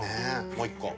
もう一個。